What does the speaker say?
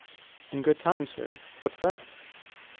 _ In good time, sir; what's that? _Dro.